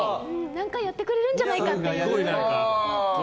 何かやってくれるんじゃないかって。